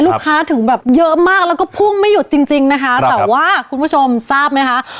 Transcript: ถึงแบบเยอะมากแล้วก็พุ่งไม่หยุดจริงจริงนะคะแต่ว่าคุณผู้ชมทราบไหมคะ